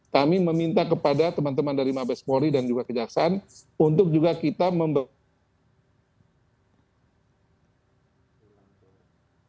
kami meminta kepada teman teman dari mabes polri dan juga kejaksaan untuk juga kita memberikan